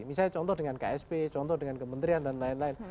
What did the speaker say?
misalnya contoh dengan ksp contoh dengan kementerian dan lain lain